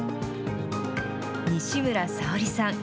西村沙織さん。